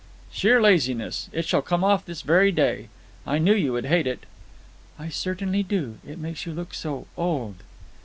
"Sheer laziness. It shall come off this very day. I knew you would hate it." "I certainly do. It makes you look so old."